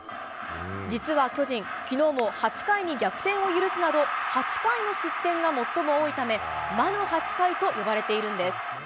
実は巨人、きのうも８回に逆転を許すなど、８回の失点が最も多いため、魔の８回と呼ばれているんです。